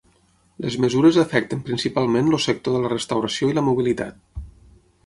Les mesures afecten principalment el sector de la restauració i la mobilitat.